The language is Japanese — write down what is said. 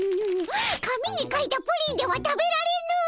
紙に書いたプリンでは食べられぬ！